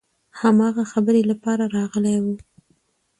هماغه خبرې لپاره راغلي وو.